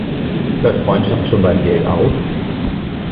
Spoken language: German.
Hört Freundschaft schon beim Geld auf?